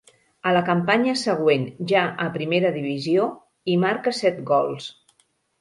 A la campanya següent, ja a primera divisió, hi marca set gols.